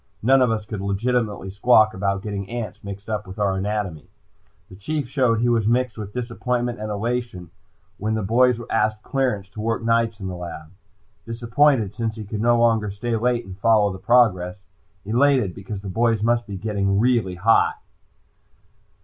None of us could legitimately squawk about getting ants mixed up with our anatomy. The Chief showed he was mixed with disappointment and elation when the boys asked clearance to work nights in the lab. Disappointed since he could no longer stay late and follow the progress; elated because the boys must really be getting hot.